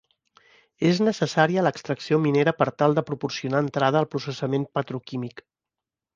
És necessària l'extracció minera per tal de proporcionar entrada al processament petroquímic.